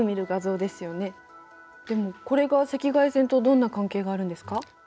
でもこれが赤外線とどんな関係があるんですか？